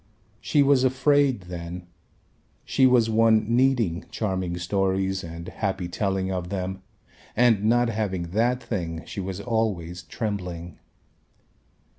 She was afraid then, she was one needing charming stories and happy telling of them and not having that thing she was always trembling.